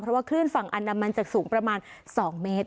เพราะว่าคลื่นฝั่งอันดามันจะสูงประมาณ๒เมตร